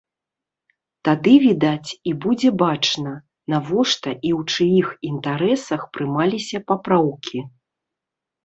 Тады, відаць, і будзе бачна, навошта і ў чыіх інтарэсах прымаліся папраўкі.